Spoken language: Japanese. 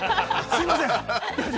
すみません。